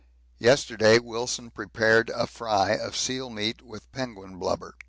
Yesterday Wilson prepared a fry of seal meat with penguin blubber.